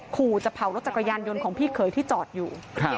ขู่จะเผารถจักรยานยนต์ของพี่เขยที่จอดอยู่